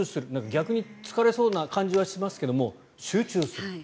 逆に疲れそうな感じはしますが集中する。